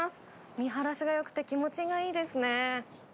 見晴らしがよくて気持ちがいいですね。